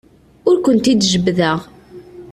Ur kent-id-jebbdeɣ.